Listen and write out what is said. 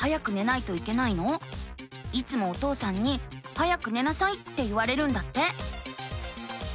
いつもお父さんに「早く寝なさい」って言われるんだって。